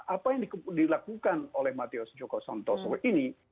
apa yang dilakukan oleh matius joko santoso ini